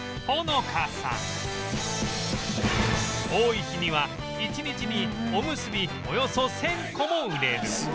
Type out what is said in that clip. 多い日には１日におむすびおよそ１０００個も売れる